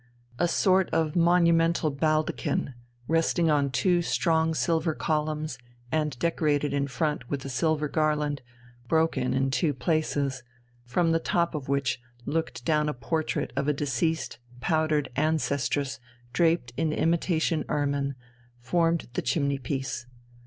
A sort of monumental baldachin, resting on two strong silver columns and decorated in front with a silver garland, broken in two places, from the top of which looked down a portrait of a deceased, powdered ancestress draped in imitation ermine, formed the chimney piece.